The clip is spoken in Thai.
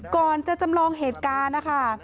ก่อนจะจำลองเหตุการณ์นะคะ